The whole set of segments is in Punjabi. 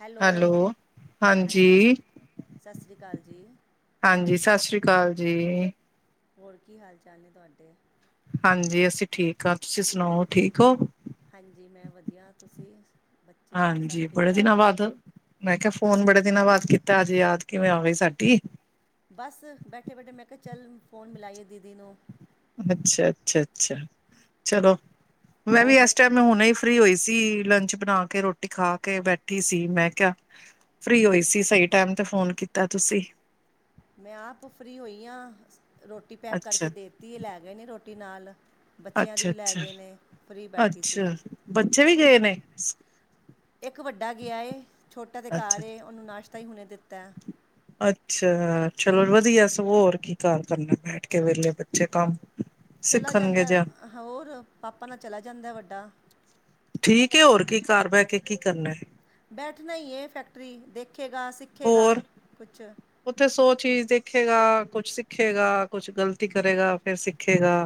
ਹੈਲੋ, ਹਾਂਜੀ ਸ ਸਸ ਰੀ ਕਾਲ ਜੀ। ਹਾਂਜੀ, ਸਸ ਰੀ ਕਾਲ ਜੀ। ਹੋਰ ਕੀ ਹਾਲ-ਚਾਲ ਨੇ ਤੁਆਡੇ? ਹਾਂਜੀ ਅਸੀਂ ਠੀਕ ਆਂ ਤੁਸੀਂ ਸੁਨਾਓ ਠੀਕ ਓ। ਹਾਂਜੀ ਮੈਂ ਵਦੀਆ ਤੁਸੀਂ ਬੱਚੇ ਸਭ ਹਾਂਜੀ, ਠੀਕ ਬੜੇ ਦਿਨਾਂ ਠਾਕ ਬਾਦ ਮੈਂ ਕਿਆ ਫੋਨ ਬੜੇ ਦਿਨਾਂ ਬਾਦ ਕੀਤਾ ਅੱਜ ਯਾਦ ਕਿਵੇਂ ਆ ਗਈ ਸਾਡੀ। ਬਸ, ਬੈਠੇ-ਬੈਠੇ ਮੈਂ ਕਿਆ ਚੱਲ ਫ਼ੋਨ ਮਿਲਾਈਏ ਦੀਦੀ ਨੂੰ। ਅੱਛਾ-ਅੱਛਾ-ਅੱਛਾ, ਚਲੋ ਮੈਂ ਵੀ ਹੋਰ ਬ ਐਸ ਟਾਈਮ ਹੁਨੇ ਈ ਫਰੀ ਹੋਈ ਸੀ, ਲੰਚ ਬਣਾ ਕੇ ਰੋਟੀ ਖਾ ਕੇ ਬੈਠੀ ਸੀ ਮੈਂ ਕਿਆ ਫਰੀ ਹੋਈ ਸੀ ਸਈ ਟੈਮ ਤੇ ਫੋਨ ਕੀਤਾ ਤੁਸੀਂ। ਮੈਂ ਆਪ ਫਰੀ ਹੋਈ ਆਂ, ਰੋਟੀ ਪੈਕ ਅੱਛਾ, ਕਰਕੇ ਦੇਤੀ ਏ ਲੈ ਗਏ ਨੇ ਰੋਟੀ ਨਾਲ। ਬੱਚਿਆਂ ਦੀ ਅੱਛਾ, ਵੀ ਲੈ ਅੱਛਾ, ਗਏ ਨੇ, ਫਰੀ ਬੈਠੀ ਸੀ। ਅੱਛਾ ਬੱਚੇ ਵੀ ਗਏ ਨੇ? ਇੱਕ ਵੱਡਾ ਗਿਆ ਏ, ਛੋਟਾ ਤੇ ਅੱਛਾ। ਘਰ ਏ ਓਨੂੰ ਨਾਸ਼ਤਾ ਈ ਹੁਨੇ ਦਿੱਤੈ। ਅੱਛਾ, ਚਲੋ ਵਦੀਆ ਐ ਸਗੋ ਹੋਰ ਕੀ ਘਰ ਕਰਨਾ ਬੈਠ ਕੇ ਵੇਲੇ ਬੱਚੇ ਕੰਮ ਚਲਾ ਸਿੱਖਣਗੇ ਜਾਂਦਾ, ਜਾਂ ਹੋਰ ਪਾਪਾ ਨਾਲ ਚਲਾ ਜਾਂਦਾ ਵੱਡਾ। ਠੀਕ ਏ ਹੋਰ ਕੀ ਘਰ ਬਹਿ ਕੇ ਕੀ ਕਰਨਾ। ਬੈਠਣਾ ਈ ਏ ਫੈਕਟਰੀ, ਦੇਖੇਗਾ ਸਿੱਖੇਗਾ ਕੁਛ ਓਥੇ ਸੌ ਚੀਜ਼ ਦੇਖੇਗਾ, ਕੁਛ ਸਿੱਖੇਗਾ ਕੁਛ ਗ਼ਲਤੀ ਕਰੇਗਾ ਫਿਰ ਸਿੱਖੇਗਾ।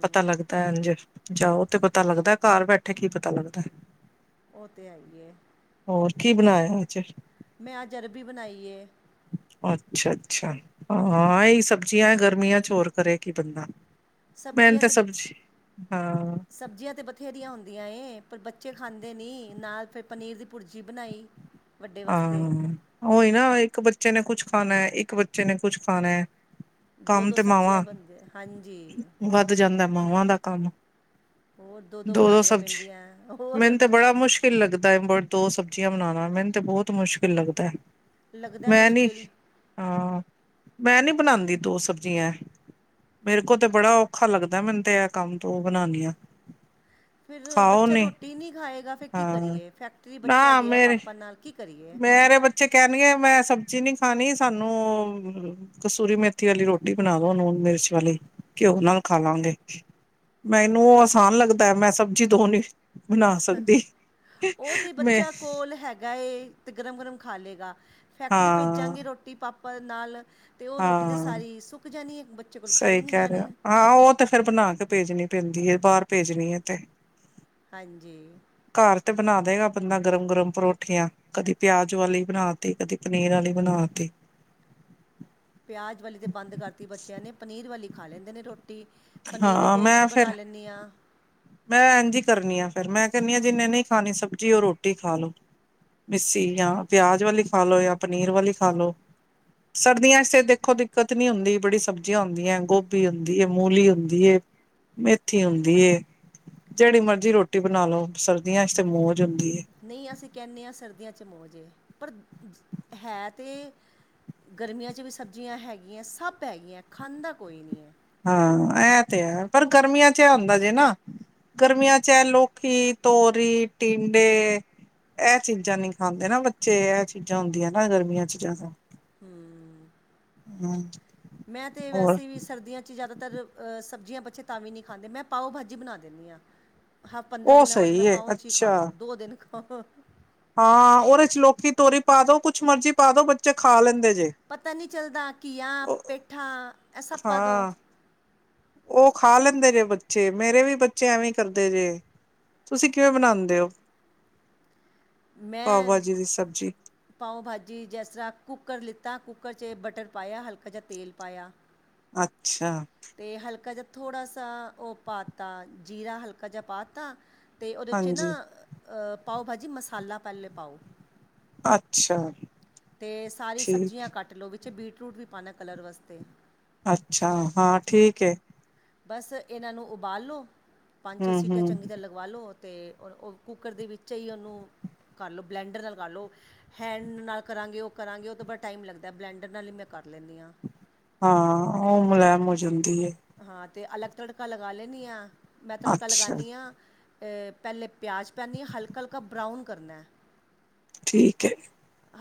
ਪਤਾ ਲੱਗਦਾ ਇੰਝ ਜਾਓ ਤੇ ਪਤਾ ਲੱਗਦਾ ਘਰ ਬੈਠੇ ਕੀ ਪਤਾ ਲੱਗਦਾ। ਉਹ ਤੇ ਹੈਂ ਈ ਏ। ਹੋਰ ਕੀ, ਬਣਾਇਆ ਅੱਜ? ਮੈਂ ਅੱਜ ਅਰਬੀ ਬਣਾਈ ਏ। ਅੱਛਾ -ਅੱਛਾ ਹਾਂ, ਇਹੀ ਸਬਜ਼ੀਆਂ ਗਰਮੀਆਂ ਚ ਹੋਰ ਕਰੇ ਕੀ ਬੰਦਾ। ਮੈਨੂੰ ਸਬਜ਼ੀਆਂ ਤੇ ਸਬਜ਼ੀ ਹਾਂ ਸਬਜ਼ੀਆਂ ਤੇ ਬਥੇਰੀਆਂ ਹੁੰਦੀਆਂ ਏ, ਪਰ ਬੱਚੇ ਖਾਂਦੇ ਨਹੀਂ, ਨਾਲ ਫਿਰ ਪਨੀਰ ਦੀ ਭੁਰਜੀ ਬਣਾਈ। ਵੱਡੇ ਹਾ ਵਾਸਤੇ ਉ ਈ ਨਾ, ਇੱਕ ਬੱਚੇ ਨੇ ਕੁੱਛ ਖਾਣਾ, ਇੱਕ ਬੱਚੇ ਨੇ ਕੁੱਛ ਖਾਣਾ ਹੈ ਦੋ- ਕੰਮ ਦੋ ਤੇ ਸਬਜ਼ੀਆਂ ਮਾਵਾਂ ਬਣਦੀਆ, ਹਾਂਜੀ। ਵੱਧ ਜਾਂਦਾ, ਮਾਵਾਂ ਦਾ ਕੰਮ। ਹੋਰ, ਦੋ -ਦੋ ਦੋ-ਦੋ ਬਣਾਉਣੀਆਂ ਸਬਜ਼ੀ ਪੈਂਦੀਆਂ ਹੋਰ ਮੈਨੂੰ ਤੇ ਬੜਾ ਮੁਸ਼ਕਿਲ ਲੱਗਦਾ ਦੋ ਸਬਜ਼ੀਆਂ ਬਣਾਣਾ ਮੈਨੂੰ ਤੇ ਬਹੁਤ ਮੁਸ਼ਕਿਲ ਲੱਗਦਾ ਐ ਲੱਗਦਾ ਮੈਂ ਨਈ, ਮੁਸ਼ਕਿਲ ਹਾਂ ਮੈਂ ਨਈ ਬਣਾਦੀ, ਦੋ ਸਬਜ਼ੀਆਂ ਮੇਰੇ ਕੋਲ ਤੇ ਬੜਾ ਔਖਾ ਲੱਗਦਾ, ਮੈਨੂੰ ਤੇ ਇਹ ਕੰਮ ਦੋ ਬਣਾਣੀਆ ਫਿਰ ਬੱਚਾ ਰੋਟੀ ਨਹੀਂ ਖਾਏਗਾ, ਫਿਰ ਕੀ ਹਾਂ ਕਰੀਏ, ਫੈਕਟਰੀ ਨਾ ਬੱਚਾ ਗਿਆ ਮੇਰੇ ਪਾਪਾ ਨਾਲ, ਕੀ ਕਰੀਏ ਮੇਰੇ ਬੱਚੇ ਕਹਿਣਗੇ, ਮੈਂ ਸਬਜ਼ੀ ਨੀ ਖਾਣੀ, ਸਾਨੂੰ ਕਸੂਰੀ ਮੇਥੀ ਵਾਲੀ, ਰੋਟੀ ਬਣਾ ਦੋ ਨੂਣ ਮਿਰਚ ਵਾਲੀ ਘਿਓ ਨਾਲ ਖਾਵਾਂਗੇ? ਮੈਨੂੰ, ਆਸਾਨ ਲੱਗਦਾ ਹੈ ਮੈਂ ਸਬਜ਼ੀ ਦੋ ਨ ਉਹ ਤੇ ਮੈਂ ਬੱਚਾ, ਕੋਲ ਹੈਗਾ ਗਾਏ ਤੇ ਗਰਮ-ਗਰਮ ਖਾ ਲਏਗਾ। ਫੈਕਟਰੀ ਹਾਂ ਭੇਜਾਂਗੇ ਰੋਟੀ ਪਾਪਾ ਨਾਲ ਅਤੇ ਉਹ ਰੋਟੀ ਤਾਂ ਹਾਂ ਸਾਰੀ ਸੁੱਕ ਜਾਣੀ, ਬੱਚੇ ਕੋਲ ਖਾਈ ਸਹੀ ਨਹੀਂ ਕਹਿ ਰਹੇ ਹੋ ਜਾਣੀ। ਹਾਂ ਉਹ ਤੇ ਫੇਰ ਬਣਾ ਕੇ ਭੇਜਣੀ ਪੈਂਦੀ ਏ ਬਾਹਰ ਭੇਜਣੀ ਹੈ ਤੇ? ਹਾਂਜੀ ਘਰ ਤੇ, ਬਣਾ ਦੇਗਾ ਬੰਦਾ ਗਰਮ- ਗਰਮ ਪਰੋਠੀਆਂ ਕਦੀ ਪਿਆਜ਼ ਵਾਲੀ, ਬਣਾ ਤੀ ਕਦੀ ਪਨੀਰ ਵਾਲੀ ਬਣਾ ਤੀ। ਪਿਆਜ਼ ਵਾਲੀ, ਤੇ ਬੰਦ ਕਰਤੀ ਬੱਚਿਆਂ ਨੇ ਪਨੀਰ ਵਾਲੀ ਖਾ ਲੈਂਦੇ ਨੇ ਰੋਟੀ ਰੋਟੀ ਪਨੀਰ ਦੇ ਹਾਂ ਟੋਸਟ, ਮੈਂ ਫੇਰ ਬਣਾ ਲੈਂਣੀ ਆ। ਮੈਂ ਇੰਝ ਈ ਕਰਨੀ ਆ ਫ਼ਿਰ ਮੈਂ ਕਹਿੰਦੀ ਹਾਂ ਜਿੰਨੇ ਨਹੀਂ ਖਾਣੀ ਸਬਜ਼ੀ, ਉਹ ਰੋਟੀ ਖਾ ਲੋ ਮਿੱਸੀ ਜਾਂ ਪਿਆਜ, ਵਾਲੀ ਖਾ ਲੋ ਜਾਂ ਪਨੀਰ, ਵਾਲੀ ਖਾ ਲ ਲੋ ਸਰਦੀਆ ਚ ਤੇ ਦੇਖੋ ਦਿੱਕਤ ਨੀ ਹੁੰਦੀ, ਬੜੀ ਸਬਜ਼ੀਆਂ ਹੁੰਦੀਆਂ ਗੋਭੀ, ਹੁੰਦੀ ਮੂਲੀ ਹੁੰਦੀ ਏ ਮੇਥੀ, ਹੁੰਦੀ ਏ ਜਿਹੜੀ ਮਰਜ਼ੀ ਰੋਟੀ ਬਣਾ ਲਓ ਸਰਦੀਆਂ ਚ ਤੇ ਮੌਜ ਹੁੰਦੀ ਏ। ਨਹੀਂ ਅਸੀਂ ਕਹਿੰਦੇ ਹਾਂ ਸਰਦੀਆਂ 'ਚ ਮੌੋਜੇ ਪਰ ਹੈ ਤੇ ਗਰਮੀਆਂ 'ਚ ਵੀ ਸਬਜ਼ੀਆਂ ਹੈਗੀਆਂ ਸਭ ਹੈਗੀਆਂ ਖਾਂਦਾ ਕੋਈ ਨਹੀਂ ਹੈ। ਹਾਂ ਇਹ ਤੇ ਹੈ ਪਰ ਗਰਮੀਆਂ ਚ ਇਹ ਹੁੰਦਾ ਜੇ ਨਾ ਗਰਮੀਆਂ ਚ ਏ ਲੋਕੀ, ਤੋਰੀ, ਟਿੰਡੇ। ਇਹ ਚੀਜ਼ਾਂ ਨੀ ਖਾਂਦੇ ਨਾ ਬੱਚੇ ਇਹ ਚੀਜ਼ਾਂ ਹੁੰਦੀਆਂ ਨਾ ਗਰਮੀਆਂ ਚ ਜਿਆਦਾ। ਹਮ ਮੈਂ ਤਾਂ ਹੋਰ ਵੈਸੇ ਵੀ ਸਰਦੀਆਂ 'ਚ ਜ਼ਿਆਦਾਤਰ। ਅ ਸਬਜ਼ੀਆਂ ਬੱਚੇ ਤਾਂ ਵੀ ਨਹੀਂ ਖਾਂਦੇ ਮੈਂ ਪਾਓ ਭਾਜੀ ਬਣਾ ਦਿੰਦੀ ਹਾਂ। ਹਾਂ ਪੰਦਰਾਂ ਉਹ ਦਿਨਾਂ ਬਾਅਦ ਮੈਂ ਸਹੀ ਹੈ ਪਾਓਚ ਹੀ ਖਾ ਅੱਛਾ ਲੋ ਦੋ ਦਿਨ ਖਾਓ। ਹਾਂ ਉਹਦੇ ਚ ਲੋਕੀ ਤੋਰੀ ਪਾ ਦੋ ਕੁਛ ਮਰਜੀ ਪਾ ਦੋ ਬੱਚੇ ਖਾ ਲੈਂਦੇ। ਜੇ ਪਤਾ ਨਹੀਂ ਚੱਲਦਾ ਘੀਆ ਪੇਠਾ ਐ ਸਬ ਪਾ ਦੋ। ਹਾਂ ਉਹ ਖਾ ਲੈਂਦੇ ਜੇ ਬੱਚੇ ਮੇਰੇ ਵੀ ਬੱਚੇ ਐਵੇਂ ਕਰਦੇ ਜੇ ਤੁਸੀਂ ਕਿਵੇਂ ਬਣਾਉਂਦੇ ਹੋ? ਪਾਓ ਮੈਂ ਭਾਜੀ ਦੀ ਸਬਜ਼ੀ ਪਾਓ ਭਾਜੀ ਜਿਸ ਤਰ੍ਹਾਂ ਕੁੱਕਰ ਲਿੱਤਾ ਕੁੱਕਰ 'ਚ ਬਟਰ ਪਾਇਆ ਹਲਕਾ ਜਿਹਾ ਤੇਲ ਪਾਇਆ। ਅੱਛਾ ਤੇ ਹਲਕਾ ਜਿਹਾ ਥੋੜ੍ਹਾ ਸ ਉਹ ਪਾ ਤਾ ਜੀਰਾ ਹਲਕਾ ਜਿਹਾ ਪਾ ਤਾ ਅਤੇ ਉਹਦੇ 'ਚ ਨਾ, ਹਾਂਜੀ ਪਾਓ ਭਾਜੀ ਮਸਾਲਾ ਪਹਿਲੇ ਪਾਓ ਅੱਛਾ ਤੇ ਸਾਰੀ ਸਬਜ਼ੀਆਂ ਠੀਕ ਕੱਟ ਲਓ, ਵਿੱਚ ਬੀਟਰੂਟ ਵੀ ਪਾਉਣਾ ਕਲਰ ਵਾਸਤੇ ਅੱਛਾ, ਹਾਂ ਠੀਕ ਹੈ ਬਸ ਇਹਨਾਂ ਨੂੰ ਉਬਾਲ ਲਓ, ਪੰਜ -ਛੇ ਹੂੰ ਸੀਟਾਂ ਹੂੰ ਚੰਗੀ ਤਰ੍ਹਾਂ ਲੱ ਉਵਾ ਲਓ ਤੇ ਉਹ, ਉਹ ਕੁੱਕਰ ਦੇ ਵਿੱਚ ਹੀ, ਉਹਨੂੰ ਕਰ ਲਓ, ਬਲੈਂਡਰ ਨਾਲ ਲਗਾ ਲਓ ਹੈਂਣ ਨਾਲ ਕਰਾਂਗੇ, ਉਹ ਕਰਾਂਗੇ ਉਹ ਤਾਂ ਬੜਾ ਟਾਈਮ ਲੱਗਦਾ, ਬਲੈਂਡਰ ਨਾਲ ਹੀ ਮੈਂ ਕਰ ਲੈਂਦੀ ਹਾਂ ਹਾਂ, ਉਹ ਮਲੈਮ ਹੋ ਜਾਂਦੀ ਹੈ ਹਾਂ, ਤੇ ਅਲੱਗ ਤੜਕਾ ਲਗਾ ਲੈਂਦੀ ਆ, ਮੈਂ ਤੜਕਾ ਅੱਛਾ ਲਗਾਉਨੀ ਆਂ ਪਹਿਲੇ ਪਿਆਜ਼ ਪਉਨੀ ਹਾਂ, ਹਲਕਾ 'ਹਲਕਾ ਬਰਾਊਨ ਕਰਨਾ ਠੀਕ ਹੈ ਜ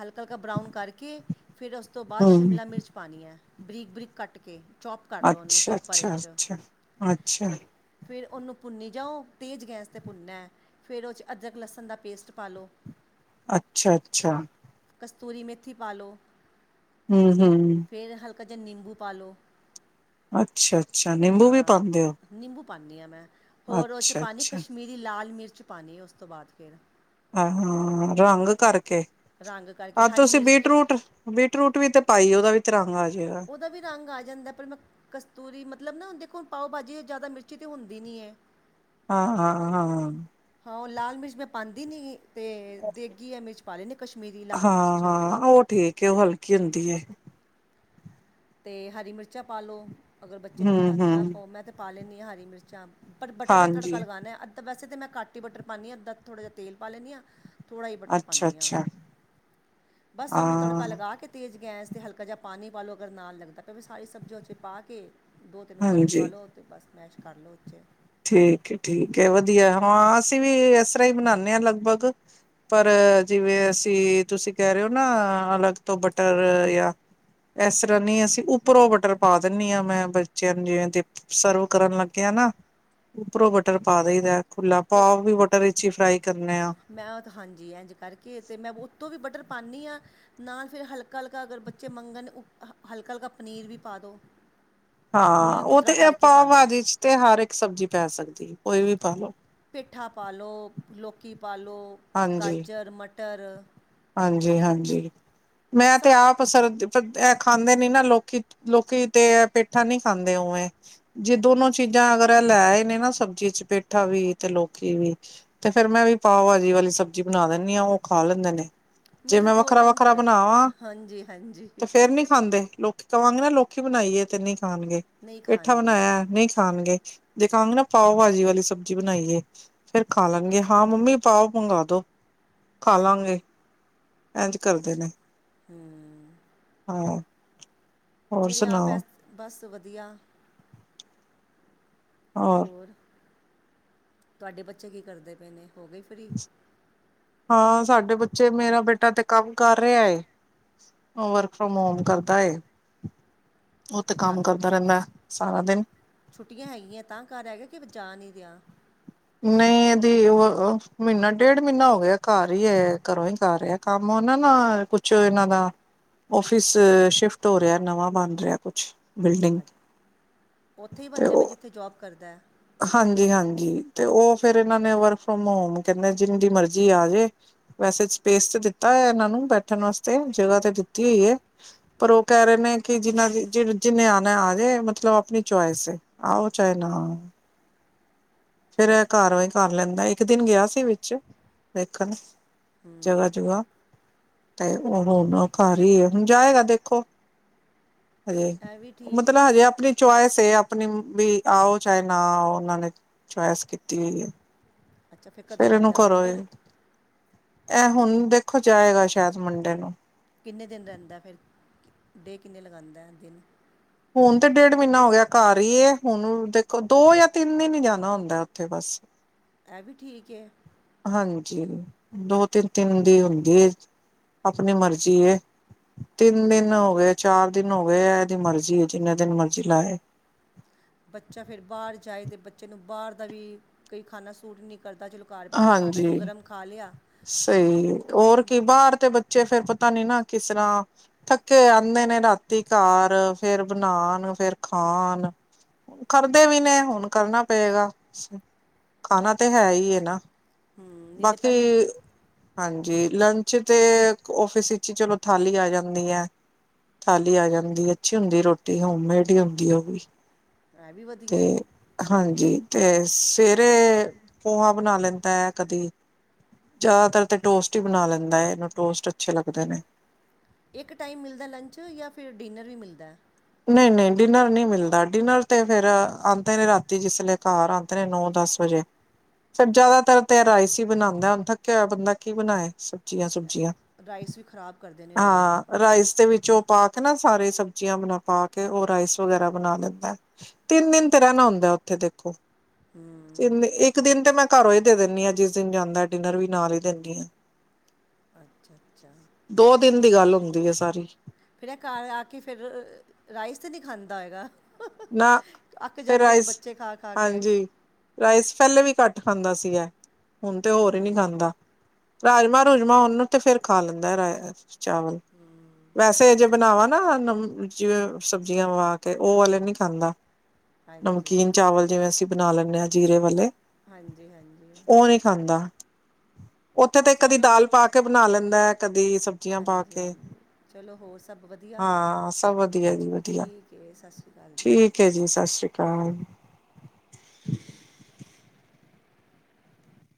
ਹਲਕਾ- ਹਲਕਾ ਬਰਾਊਨ ਕਰਕੇ, ਫਿਰ ਉਸ ਤੋਂ ਬਾਅਦ ਹੂੰ ਸ਼ਿਮਲਾ ਮਿਰਚ ਪਾਣੀ ਹੈ, ਬਰੀਕ- ਬਰੀਕ ਕੱਟ ਕੇ ਓਕੇ, ਚੌਪ ਕਰ ਲਓ, ਉਹਨੂੰ ਅੱਛਾ ਚੌਪਰ ਅੱਛਾ 'ਚ ਅੱਛਾ ਅੱਛਾ ਫਿਰ ਉਹਨੂੰ ਭੁੰਨੀ ਜਾਓ ਤੇਜ਼ ਗੈਸ 'ਤੇ ਭੁੰਨਨਾ ਫਿਰ ਓ 'ਚ ਅਦਰਕ ਲਸਣ ਦਾ ਪੇਸਟ ਪਾਲੋ। ਅੱਛਾ- ਅੱਛਾ ਕਸਤੂਰੀ ਮੇਥੀ ਪਾਲੋ ਹਮ ਹਮ ਫਿਰ ਹਲਕਾ ਜਿਹਾ ਨਿੰਬੂ ਪਾ ਲਉ ਅੱਛਾ- ਅੱਛਾ, ਨਿੰਬੂ ਵੀ ਹਾਂ ਪਾਉਂਦੇ ਹੋ ਨਿੰਬੂ ਪਾਉਂਦੀ ਹਾਂ ਮੈਂ, ਹੋਰ ਉਹ 'ਚ ਅੱਛਾ ਪਾਉਣੀ ਅੱਛਾ ਕਸ਼ਮੀਰੀ ਲਾਲ ਮਿਰਚ ਪਾਉਣੀ ਉਸ ਤੋਂ ਬਾਅਦ ਫਿਰ ਹ, ਰੰਗ ਕਰਕੇ, ਰੰਗ ਕਰਕੇ ਆ ਹਰੀ ਤੁਸੀਂ ਬੀਟ ਮਿਰਚ ਰੂਟ ਬੀਟ ਰੂਟ ਵੀ ਤੇ ਪਾਈ, ਉਹਦਾ ਵੀ ਤਿਰੰਗ ਆ ਜਾਏਗਾ ਉਹਦਾ ਵੀ ਰੰਗ ਆ ਜਾਂਦਾ, ਪਰ ਮੈਂ ਕਸਤੂਰੀ, ਮਤਲਬ ਨਾ ਦੇਖੋ ਪਾਓ ਭਾਜੀ ਜ਼ਿਆਦਾ ਮਿਰਚੀ ਤਾਂ ਹੁੰਦੀ ਨੀ ਹੈ ਹਾਂ- ਹਾਂ- ਹਾਂ ਹਾਂ ਉਹ ਲਾਲ ਮਿਰਚ ਮੈਂ ਪਾਂਦੀ ਨਹੀਂ, ਤੇ ਦੇਗੀ ਹੈ ਮਿਰਚ ਪਾਲ ਲਈ ਨੇ ਕਸ਼ਮੀਰੀ ਲਾਲ ਹਾਂ ਮਿਰਚ ਹਾਂ ਉਹ ਠੀਕ ਘਿਉ ਹਲਕੀ ਹੁੰਦੀ ਹੈ ਤੇ ਹਰੀ ਮਿਰਚਾਂ ਪਾ ਲਉ, ਅਗਰ ਬੱਚੇ ਹੂੰ ਨਹੀਂ ਖਾਂਦੇ ਹੂੰ ਨਾ ਪਾਓ ਮੈਂ ਤਾਂ ਪਾ ਲੈਂਦੀ ਹਾਂ ਹਰੀ ਮਿਰਚਾਂ ਪਰ ਬਟਰ ਦਾ ਤੜਕਾ ਹਾਂਜੀ ਲਗਾਉਦੇ ਹੈ ਅਧ ਵੈਸੇ ਤਾਂ ਮੈਂ ਕੱਟ ਹੀ ਬਟਰ ਪਾਉਂਦੀ ਹਾਂ, ਅੱਧਾਥੋੜ੍ਹਾ ਜਿਹਾ ਤੇਲ ਪਾ ਲੈਂਨੀ ਹਾਂ ਥੋੜ੍ਹਾ ਜਿ ਬਟਰ ਅੱਛਾ ਪਾਉਂਦੀ ਹਾਂ, ਅੱਛਾ ਬਸ ਉਹਨੂੰ ਹਾਂ, ਤੜਕਾ ਲਗਾ ਕੇ ਤੇਜ਼ ਗੈਸ 'ਤੇ ਹਲਕਾ ਜਿਹਾ ਪਾਣੀ ਪਾ ਲਓ, ਅਗਰ ਨਾਲ ਲੱਗਦਾ ਤਾਂ ਵੀ ਸਾਰੀ ਸਬਜ਼ੀ ਉਹਦੇ 'ਚ ਪਾ ਕੇ ਦੋ ਤਿੰਨ ਉਬਾਲੇ ਦੁਆ ਹਾਂਜੀ। ਲਓ, ਤੇ ਬਸ ਮੈਸ਼ ਕਰ ਲਓ 'ਚ ਠੀਕ ਐ, ਠੀਕ ਐ ਵਧੀਆ, ਹਾਂ ਅਸੀਂ ਵੀ ਇਸ ਤਰ੍ਹਾਂ ਹੀ ਬਣਾਉਦੇ ਹਾਂ ਲਗਭਗ ਪਰ, ਜਿਵੇਂ ਅਸੀਂ ਤੁਸੀਂ ਕਹਿ ਰਹੇ ਹੋ ਨਾ ਅਲੱਗ ਤੋਂ ਬਟਰ ਜਾਂ ਇਸ ਤਰ੍ਹਾਂ ਨੀ ਅਸੀਂ, ਉੱਪਰੋਂ ਬਟਰ ਪਾ ਦਿੰਦੀ ਹਾਂ ਮੈਂ ਬੱਚਿਆਂ ਨੂੰ ਜਿਵੇਂ ਸਰਵ ਕਰਨ ਲੱਗੇ ਆ ਨਾ ਉਪਰੋਂ ਬਟਰ ਪਾ ਦੇ ਹੀਦਾ ਖੁਲਾ, ਉਹ ਪਾਵ ਵੀ ਬਟਰ 'ਚ ਹੀ ਫਰਾਈ ਕਰਨਾ ਮੈਂ ਉਹ ਤਾਂ ਹਾਂਜੀ ਇਂਝ ਕਰਕੇ, ਤੇ ਮੈਂ ਉੱਤੋਂ ਵੀ ਬਟਰ ਪਾਉਂਦੀ ਹਾਂ ਨਾਲ ਫਿਰ ਹਲਕਾ- ਹਲਕਾ ਅਗਰ ਬੱਚੇ ਮੰਗਣ, ਹਲਕਾ- ਹਲਕਾ ਪਨੀਰ ਵੀ ਪਾ ਦੋ ਹਾਂ, ਉਹ ਤੇ ਪਾਓ ਪਾ ਲਓ ਬਾਜੀ 'ਚ ਤੇ ਹਰ ਇੱਕ ਸਬਜ਼ੀ ਪੈ ਸਕਦੀ, ਕੋਈ ਵੀ ਪਾ ਲਓ ਪੇਠਾ ਪਾ ਲਓ, ਲੋਕੀ ਪਾ ਲਓ, ਹਾਂਜੀ, ਗਾਜਰ, ਮਟਰ ਹਾਂਜੀ- ਹਾਂਜੀ, ਮੈਂ ਤੇ ਸਭ ਆਪ ਸਰਦੀ ਖਾਂਦੇ ਨੀ ਨਾ ਲੋਕੀ ਲੋਕੀ ਤੇ ਪੇਠਾ ਨੀ ਖਾਂਦੇ ਵੇਂ ਜੇ ਦੋਨੋ ਚੀਜ਼ਾਂ ਅਗਰ ਇਹ ਲੈਏ ਨੇ ਨਾ ਸਬਜ਼ੀ ਚ ਪੇਠਾ ਵੀ ਤੇ ਲੋਕੀ ਵੀ ਤੇ ਫੇਰ ਮੈਂ ਵੀ ਪਾਓ ਭਾਜੀ ਵਾਲੀ ਸਬਜ਼ੀ ਬਣਾ ਦਿੰਦੀ ਹਾਂ ਉਹ ਖਾ ਲੈਂਦੇ ਨੇ ਜੇ ਮੇਰੇ ਤਾਂ ਮੈਂ ਦੋ ਵੱਖਰਾ ਟਾਈਮ ਵੱਖਰਾ ਚੱਲ ਬਣਾਵਾਂ ਹਾਂਜੀ ਹਾਂਜੀ ਤੇ ਫੇਰ ਨੀ ਖਾਂਦੇ ਲੋਕੀ ਕਵਾਂਗੀ ਨਾ ਲੋਕੀ ਬਣਾਈਏ ਤੇ ਨਹੀਂ ਖਾਣਗੇ ਨਹੀਂ ਪੇਠਾ ਖਾਣਗੇ ਬਣਾਇਆ ਨਹੀਂ ਖਾਣਗੇ ਜੇ ਕਵਾਂਗੀ ਨਾ ਪਾਓ ਭਾਜੀ ਵਾਲੀ ਸਬਜ਼ਜੀ ਬਣਾਈ ਏ ਫੇਰ ਖਾ ਲਾਂਗੇ ਹਾਂ ਮੰਮੀ ਪਾਓ ਮੰਗਾ ਦੋ ਖਾ ਲਾਂਗੇ ਇਂਝ ਕਰਦੇ ਨੇ ਹੂ ਹਾਂ ਹੋਰ ਮੇਰੇ ਆਪ ਐ ਸੁਣਾਓ ਬਸ ਵਧੀਆ ਹੋਰ ਤੁਹਾਡੇ ਬੱਚੇ ਕੀ ਕਰਦੇ ਪਏ ਨੇ, ਹੋ ਗਏ ਹਾਂ ਸਾਡੇ ਬੱਚੇ ਮੇਰਾ ਬੇਟਾ ਤੇ ਕੰਮ ਕਰ ਰਿਹਾ ਹੈ ਵਰਕ ਫਰੋਮ ਹੋਮ ਕਰਦਾ ਏ, ਔ ਤੇ ਅੱਛਾ ਕੰਮ ਜਾਣ ਕਰਦਾ ਰਹਿੰਦਾ ਸਾਰਾ ਦਿਨ ਛੁੱਟੀਆਂ ਹੈਗੀਆਂ ਤਾਂ ਘਰ ਹੈਗਾ ਕਿ ਜਾ ਨਹੀਂ ਰੇਆਂ। ਨਹੀਂ ਇਹਦੀ ਮਹੀਨਾ ਡੇਢ ਮਹੀਨਾ ਹੋ ਗਿਆ ਘਰ ਹੀ ਹੈ ਘਰੋਂ ਹੀ ਕਰ ਰਿਹਾ ਕੰਮ ਉਹ ਨਾ ਨਾ ਕੁਛ ਇਹਨਾਂ ਦਾ ਆਫ਼ਿਸ ਸ਼ਿਫਟ ਹੋ ਰਿਹਾ ਨਵਾਂ ਬਣ ਰਿਹਾ ਕੁਛ ਬਿਲਡਿੰਗ ਉੱਥੇ ਹੀ ਤੇ ਬਣਦਾ ਪਯਾ, ਉਹ ਜਿੱਥੇ ਜੋਬ ਕਰਦਾ ਹਾਂਜੀ ਹਾਂਜੀ ਤੇ ਉਹ ਫੇਰ ਇਹਨਾਂ ਨੇ ਵਰਕ ਫਰੋਮ ਹੋਮ ਕਹਿੰਦੇ ਜਿੰਦੀ ਮਰਜੀ ਆ ਜੇ ਵੈਸੇ ਸਪੇਸ ਤੇ ਦਿੱਤਾ ਇਹਨਾਂ ਨੂੰ ਬੈਠਣ ਵਾਸਤੇ ਜਗ੍ਹਾ ਤੇ ਦਿੱਤੀ ਹੋਈ ਹੈ ਪਰ ਉਹ ਕਹਿ ਰਹੇ ਨੇ ਕਿ ਜਿਨਾ ਦੀ ਜਿੰਨੇ ਆ ਨਾ ਆ ਜੇ ਮਤਲਬ ਆਪਣੀ ਚੁਇਸ ਐ, ਆਔ ਚਾਹੇ ਨਾ ਆਔ ਫੇਰ ਇਹ ਘਰੋਂ ਈ ਕਰ ਲੈਂਦਾ ਇੱਕ ਦਿਨ ਗਿਆ ਸੀ ਵਿੱਚ ਦੇੇਖਣ ਜਗਹ ਜੁਗਹ ਤੇ ਉਹ ਹੁਣ ਘਾਰ ਈ ਹੈ, ਹੁਣ ਜਾਏਗਾ ਦੇਖੋ ਹਜੇ ਇਹ ਵੀ ਠੀਕ ਹੈ ਮਤਲਬ ਫਿਰ ਹਜੇ ਆਪਣੀ ਚੋਅਸ ਇਸ ਇਹ ਆਪਣੀ ਵੀ ਆਓ ਚਾਹੇ ਨਾ ਆਓ ਉਹਨਾਂ ਨੇ ਚੋਅਸ ਇਸ ਕੀਤੀ ਹੋਈ ਹੈ ਅੱਛਾ ਫਿਰ ਕਦੋਂ ਫੇਰ ਇਹਨੂੰ ਜਾਂਦਾ ਘਰੋਂ ਮੰਡੇ ਈ, ਨੂੰ ਇਹ ਹੁਣ ਦੇਖੋ ਜਾਏਗਾ ਸ਼ਾਇਦ ਮੰਡੇ ਨੂੰ ਕਿੰਨੇ ਦਿਨ ਰਹਿੰਦਾ ਫਿਰ, ਡੇ ਕਿੰਨੇ ਲਗਾਉਂਦਾ ਦਿਨ ਹੁਣ ਤੇ ਡੇਢ ਮਹੀਨਾ ਹੋ ਗਿਆ ਘਰ ਈ ਹੈ, ਹੁਣ ਦੇਖੋ ਦੋ ਜਾਂ ਤਿੰਨ ਦਿਨ ਹੀ ਜਾਣਾ ਹੁੰਦਾ ਉੱਥੇ ਬਸ ਇਹ ਵੀ ਠੀਕ ਐ ਹਾਂਜੀ ਦੋ ਤਿੰਨ ਤਿੰਨ ਦੀ ਹੁੰਦੀ ਹੈ ਆਪਣੀ ਮਰਜ਼ੀ ਐ ਤਿੰਨ ਦਿਨ ਹੋ ਗਏ, ਚਾਰ ਦਿਨ ਹੋ ਗਏ ਇਹਦੀ ਮਰਜ਼ੀ ਜਿੰਨੇ ਦਿਨ ਮਰਜੀ ਲਾਏ। ਬੱਚਾ ਫਿਰ ਬਾਹਰ ਜਾਏ ਤੇ ਬੱਚੇ ਨੂੰ ਬਾਹਰ ਦਾ ਵੀ ਕਈ ਖਾਨਾ ਸੂਟ ਨਹੀਂ ਕਰਦਾ ਚਲੋ ਕਾਰ ਬੈਠੇ ਖਾਣਾ ਤਾਂ ਹਾਂਜੀ ਗਰਮ ਖਾ ਲਿਆ ਸਹੀ ਏ, ਹੋਰ ਕੀ ਬਾਹਰ ਤੇ ਬੱਚੇ ਫੇਰ ਪਤਾ ਨੀ ਨਾ ਕਿਸ ਤਰ੍ਹਾਂ ਥੱਕੇ ਆਉਂਦੇ ਨੇ ਰਾਤੀ ਘਰ ਫੇਰ ਬਣਾਉਣ ਫੇਰ ਖਾਣ ਕਰਦੇ ਵੀ ਨੇ ਹੁਣ ਕਰਨਾ ਪਏਗਾ ਖਾਣਾ ਤੇ ਹੈ ਹੀ ਨਾ ਹੂੰ ਨਹੀਂ ਤੇ ਬਾਕੀ ਪਹਿਲੇ ਹਾਂਜੀ ਲੰਚ ਤੇ ਆਫ਼ਿਸ ਵਿੱਚ ਹੀ ਚਲੋ ਥਾਲੀ ਆ ਜਾਂਦੀ ਹੈ ਥਾਲੀ ਆ ਜਾਂਦੀ ਏ, ਅੱਛੀ ਹੁੰਦੀ ਰੋਟੀ ਹੋਮਮੇਡ ਹੀ ਹੁੰਦੀ ਉਹ ਵੀ ਐ ਵੀ ਤੇ ਵਧੀਆ ਹੈ ਹਾਂਜੀ ਤੇ ਸਵੇਰੇ ਪੋਹਾ ਬਣਾ ਲੈਂਦਾ ਹੈ ਕਦੀ ਜ਼ਿਆਦਾਤਰ ਤੇ ਟੋਸਟ ਹੀ ਬਣਾ ਲੈਂਦਾ ਹੈ ਇਹਨੂੰ ਟੋਸਟ ਅੱਛੇ ਲੱਗਦੇ ਨੇ ਇੱਕ ਟਾਈਮ ਮਿਲਦਾ ਲੰਚ ਜਾਂ ਫਿਰ ਡਿਨਰ ਵੀ ਮਿਲਦਾ। ਨਹੀਂ ਨਹੀਂ ਡਿਨਰ ਨਹੀਂ ਮਿਲਦਾ, ਡਿਨਰ ਤੇ ਫੇਰ ਆਉਂਦੇ ਨੇ ਰਾਤੀ ਜਿਸ ਲੇ। ਘਰ ਆਉਂਦੇ ਨੇ ਨੌ ਦਸ ਵਜੇ। ਫਿਰ ਜ਼ਿਆਦਾਤਰ ਤੇ ਰਾਈਸ ਹੀ ਬਣਾਉਂਦਾ, ਹੁਣ ਥਕਿਆ ਹੋਇਆ ਬੰਦਾ ਕੀ ਬਣਾਏ ਸਬਜ਼ੀਆਂ ਸੁਬਜੀਆਂ? ਰਾਈਸ ਵੀ ਖਰਾਬ ਕਰਦੇ ਨੇ ਰੋਜ਼ ਰਾਈਸ ਦੇ ਵਿੱਚ ਉਹ ਪਾ ਕੇ ਨਾ ਸਾਰੇ ਸਬਜ਼ੀਆਂ ਬਣਾ ਪਾ ਕੇ ਉਹ ਰਾਈਸ ਵਗੈਰਾ ਬਣਾ ਲੈਂਦਾ, ਤਿੰਨ ਦਿਨ ਤੇ ਰਹਿਣਾ ਹੁੰਦਾ ਉੱਥੇ ਦੇਖੋ ਹੂੰ ਤਿਨ, ਇੱਕ ਦਿਨ ਤੇ ਮੈਂ ਘਰੋਂ ਹੀ ਦੇ ਦਿੰਦੀ ਹਾਂ, ਜਿਸ ਦਿਨ ਜਾਂਦਾ, ਡਿਨਰ ਵੀ ਨਾਲ ਹੀ ਦਿੰਦੀ ਆ। ਅੱਛਾ ਅੱਛਾ ਦੋ ਦਿਨ ਦੀ ਗੱਲ ਹੁੰਦੀ ਹੈ ਸਾਰੀ। ਫਿਰ ਇਹ ਘਰ ਆ ਕੇ, ਫਿਰ ਰਾਈਸ ਤੇ ਨਹੀਂ ਖਾਂਦਾ ਹੋਏਗਾ। ਨਾ ਅੱਕ ਫਿਰ ਜਾਂਦੇ ਨੇ ਰਾਈਸ ਬੱਚੇ ਖਾ ਖਾ ਕੇ ਹਾਂਜੀ ਰਾਈਸ ਪਹਿਲੇ ਵੀ ਘੱਟ ਖਾਂਦਾ ਸੀਗਾ ਏ, ਹੁਣ ਤੇ ਹੋਰ ਹੀ ਨਹੀ ਹੂੰ ਖਾਂਦਾ। ਰਾਜਮਾਂ ਰੂਜਮਾਂ ਉਹਨੂੰ ਤੇ ਫੇਰ ਖਾ ਲੈਂਦਾ ਹੈ ਏ ਚਾਵਲ ਵੈਸੇ ਜੇ ਬਣਾਵਾਾਂ ਨਾ ਜਿਵੇ ਸਬਜ਼ੀਆਂ ਵਵਾ ਕੇ, ਉਹ ਵਾਲੇ ਨੀ ਖਾਂਦਾ। ਹਾਂਜੀ ਨਮਕੀਨ ਚਾਵਲ ਜਿਵੇਂ ਅਸੀਂ ਬਣਾ ਲੈਂਦੇ ਹਾਂ ਜੀਰੇ ਵਾਲੇ ਹਾਂਜੀ, ਹਾਂਜੀ। ਉਹ ਨਹੀਂ ਖਾਂਦਾ, ਉੱਥੇ ਤੇ ਕਦੀ ਚਲੋ ਦਾਲ ਪਾ ਕੇ ਬਣਾ ਲੈਂਦਾ, ਕਦੀ ਸਬ ਹਾਂਜੀ, ਹਾਂਜੀ ਚਲੋ ਹੋ ਸ ਸਭ ਵਧੀਆ, ਹਾਂ ਸਭ ਵਧੀਆ ਜੀ ਵਧੀਆ ਠੀਕ ਹੈ, ਸਤਿ ਸ਼੍ਰੀ ਅਕਾਲ ਜੀ। ਠੀਕ ਜੀ, ਸਤਿ ਸ਼੍ਰੀ ਅਕਾਲ।